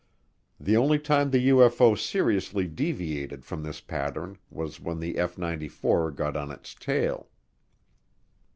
The only time the UFO seriously deviated from this pattern was when the F 94 got on its tail.